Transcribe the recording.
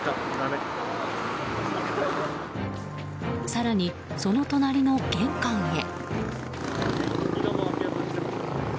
更に、その隣の玄関へ。